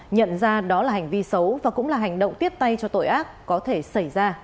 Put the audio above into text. nhận ra đó là hành vi xấu và cũng là hành động tiếp tay cho tội ác có thể xảy ra